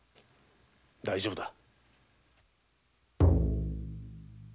大丈夫だ。